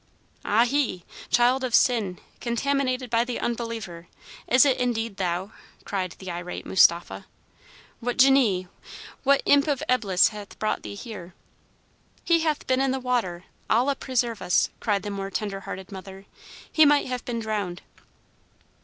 "Ahi! child of sin, contaminated by the unbeliever, is it indeed thou?" cried the irate Mustapha. "What djinnee, what imp of Eblis hath brought thee here?" "He hath been in the water, Allah preserve us!" cried the more tender hearted mother. "He might have been drowned."